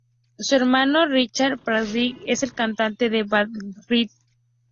Su hermano Richard Patrick es el cantante de la banda Filter.